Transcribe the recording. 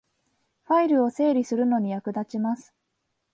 ファイルを整理するのに役立ちます